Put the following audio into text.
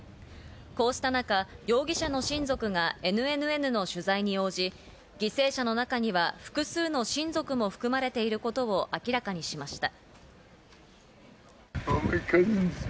こうした中、容疑者の親族がＮＮＮの取材に応じ、犠牲者の中には複数の親族も含まれていることを明らかにしました。